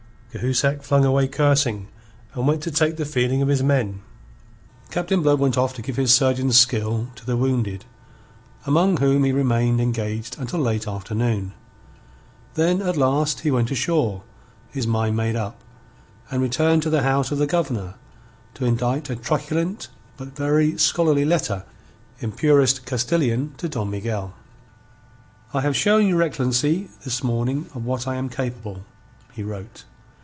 Cahusac flung away cursing, and went to take the feeling of his men. Captain Blood went off to give his surgeon's skill to the wounded, among whom he remained engaged until late afternoon. Then, at last, he went ashore, his mind made up, and returned to the house of the Governor, to indite a truculent but very scholarly letter in purest Castilian to Don Miguel. "I have shown your excellency this morning of what I am capable," he wrote.